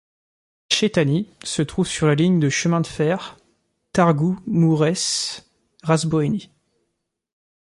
Chețani se trouve sur la ligne de chemin de fer Târgu Mureș-Războieni.